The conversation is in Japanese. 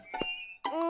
うん。